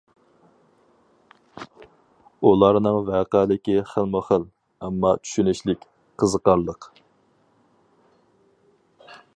ئۇلارنىڭ ۋەقەلىكى خىلمۇ خىل، ئەمما چۈشىنىشلىك، قىزىقارلىق.